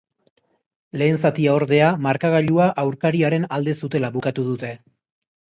Lehen zatia, ordea, markagailua aurkariaren alde zutela bukatu dute.